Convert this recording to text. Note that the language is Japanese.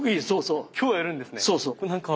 そうそう。